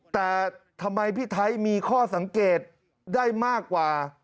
แต่ทำไมพี่ไทยมีข้อสังเกตได้มากกว่า